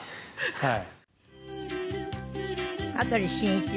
はい。